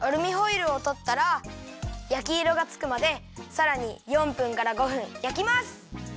アルミホイルをとったら焼きいろがつくまでさらに４分から５分焼きます。